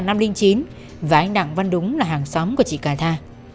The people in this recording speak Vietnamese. và anh đặng văn đúng là hàng xóm của chị cà tha